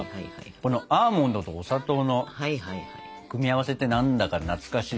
このアーモンドとお砂糖の組み合わせって何だか懐かしいし。